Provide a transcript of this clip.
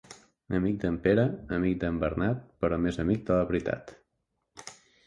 Amic d'en Pere, amic d'en Bernat, però més amic de la veritat.